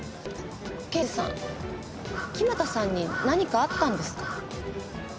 刑事さん木俣さんに何かあったんですか？